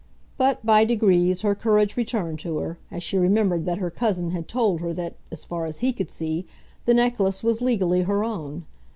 But, by degrees, her courage returned to her, as she remembered that her cousin had told her that, as far as he could see, the necklace was legally her own.